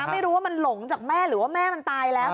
ไม่รู้ว่ามันหลงจากแม่หรือว่าแม่มันตายแล้ว